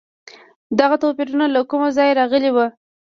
دغه توپیرونه له کوم ځایه راغلي وو؟